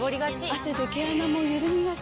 汗で毛穴もゆるみがち。